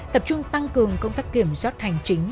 tập trung tăng cường công tác kiểm soát hành chính